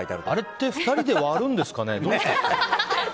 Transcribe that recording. あれって２人で割るんですかね。